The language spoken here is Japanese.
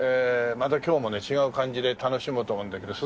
また今日もね違う感じで楽しもうと思うんだけど。